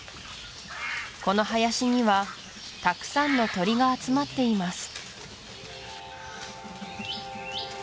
この林にはたくさんの鳥が集まっています